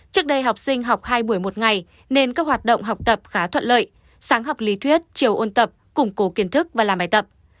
trước đây học sinh học hai buổi một ngày nên các hoạt động học tập khá thuận lợi sáng học lý thuyết chiều ôn tập củng cố kiến thức và làm bài tập